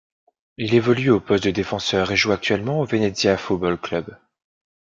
Il évolue au poste de défenseur et joue actuellement au Venezia Football Club.